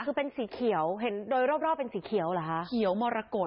คือเป็นสีเขียวเห็นโดยรอบเป็นสีเขียวเหรอคะเขียวมรกฏ